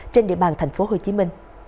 trên địa bàn tp hcm